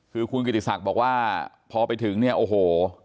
คือครูกุฏิสัตว์บอกว่าพอไปถึงเนี่ยโอโห